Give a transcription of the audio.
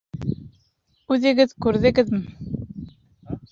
— Үҙегеҙ күрҙегеҙме?